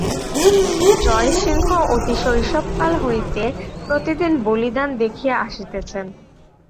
জয়সিংহ অতি শৈশবকাল হইতে প্রতিদিন বলিদান দেখিয়া আসিতেছেন।